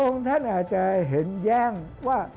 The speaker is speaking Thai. องค์ท่านอาจจะเห็นแย่งว่า